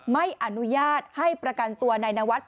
ไม่อนุญาตให้ประกันตัวนายนวัด